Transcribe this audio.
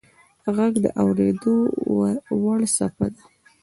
• ږغ د اورېدو وړ څپه ده.